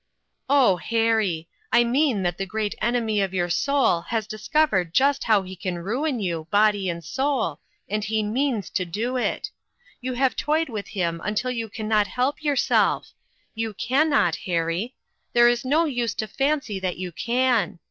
" Oh, Harry ! I mean that the great enemy of your soul has discovered just how he can ruin you, body and soul, and he means to do it. You have toyed with him until you can not help yourself. You can not, Harry. There is no use to fancy that you can.